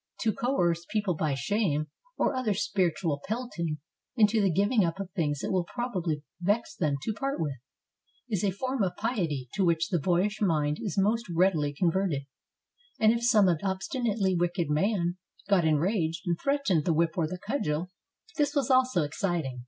To 59 ITALY coerce people by shame, or other spiritual pelting, into the giving up of things it will probably vex them to part with, is a form of piety to which the boyish mind is most readily converted; and if some obstinately wicked men got enraged and threatened the whip or the cudgel, this was also exciting.